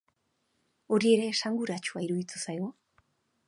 Hori ere esanguratsua iruditu zaigu.